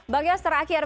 bang yos terakhir